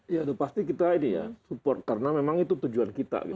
ya sudah pasti kita support karena memang itu tujuan kita